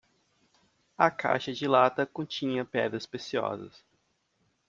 A caixa de lata continha pedras preciosas.